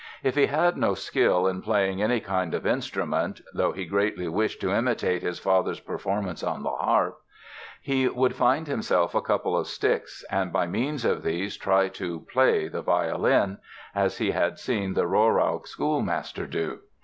If he had no skill in playing any kind of instrument (though he greatly wished to imitate his father's performances on the harp) he would find himself a couple of sticks and by means of these try to "play" the violin, as he had seen the Rohrau schoolmaster do.